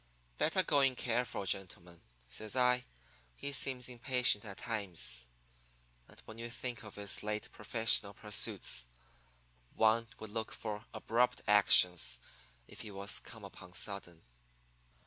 "'Better go in careful, gentlemen,' says I. 'He seems impatient at times, and when you think of his late professional pursuits one would look for abrupt actions if he was come upon sudden.'